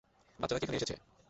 বাচ্চারা কি এখানে এসেছে?